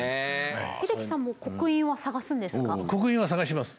英樹さんも刻印は探すんですか？